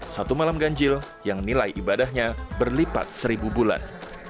satu malam ganjil yang nilai ibadahnya berlipat seribu bulan